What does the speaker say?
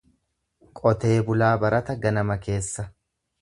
Qotee bulaa barata ganama keessa.